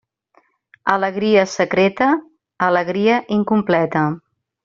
Alegria secreta, alegria incompleta.